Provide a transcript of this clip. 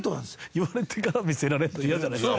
言われてから見せられるの嫌じゃないすか？